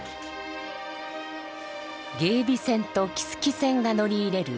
芸備線と木次線が乗り入れる